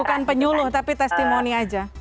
bukan penyuluh tapi testimoni aja